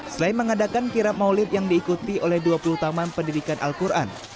selain mengadakan kirap maulid yang diikuti oleh dua puluh taman pendidikan al quran